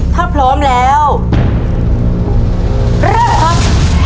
ถ้าพร้อมแล้วเริ่มครับ